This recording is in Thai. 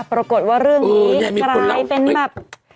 ปรากฏว่าเรื่องนี้กลายเป็นแบบ